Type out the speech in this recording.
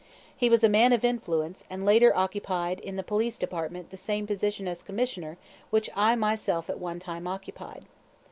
He was a man of influence, and later occupied in the Police Department the same position as Commissioner which I myself at one time occupied.